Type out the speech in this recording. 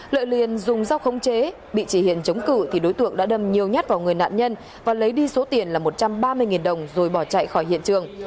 lợi liền dùng dao khống chế bị chị hiền chống cử thì đối tượng đã đâm nhiều nhát vào người nạn nhân và lấy đi số tiền là một trăm ba mươi đồng rồi bỏ chạy khỏi hiện trường